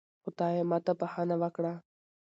خدایا ماته بښنه وکړه